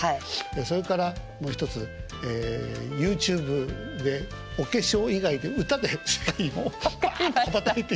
それからもう一つＹｏｕＴｕｂｅでお化粧以外で歌で世界を羽ばたいて。